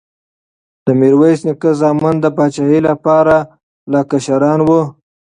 د میرویس نیکه زامن د پاچاهۍ لپاره لا کشران وو.